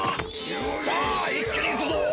さあいっきにいくぞ！